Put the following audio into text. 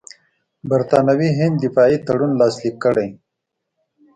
برټانوي هند دې دفاعي تړون لاسلیک کړي.